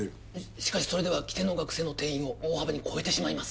しかしそれでは規定の学生の定員を大幅に超えてしまいます